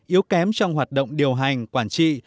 yếu kém trong hoạt động điều hành quản trị